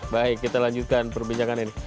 baik kita lanjutkan perbincangan ini